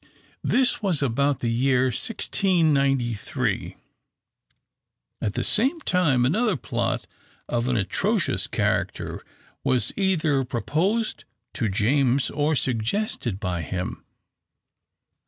This was about the year 1693. At the same time, another plot of an atrocious character was either proposed to James or suggested by him.